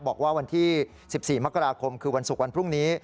บอกว่าวันที่๑๔มกราคมคือวันศุกร์วันพรุ่งนี้